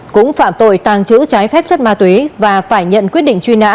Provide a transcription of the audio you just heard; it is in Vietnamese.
cũng phạm tội tàng trữ trái phép chất ma túy và phải nhận quyết định truy nã